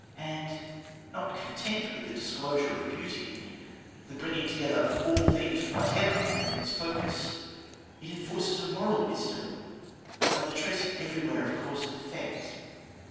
And, not content with the disclosure of beauty and the bringing together of all things whatever within its focus, it enforces a moral wisdom by the tracing everywhere of cause and effect.